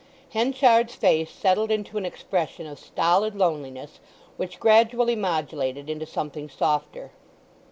Henchard's face settled into an expression of stolid loneliness which gradually modulated into something softer.